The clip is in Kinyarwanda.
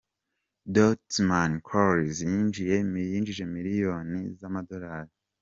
Doutzen Kroes: yinjije miliyoni , z’amadorali.